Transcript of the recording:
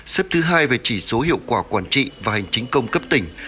xếp thứ hai về chỉ số hiệu quả quản trị và hành chính công cấp tỉnh